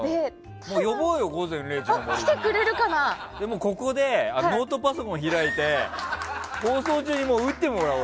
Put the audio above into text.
ここでノートパソコン開いて放送中に打ってもらおうよ。